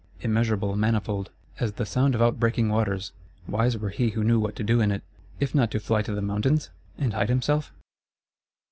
Immeasurable, manifold; as the sound of outbreaking waters: wise were he who knew what to do in it,—if not to fly to the mountains, and hide himself?